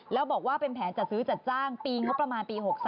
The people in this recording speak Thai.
แล้วบอกว่าเป็นแผนจัดซื้อจัดจ้างปีงบประมาณปี๖๓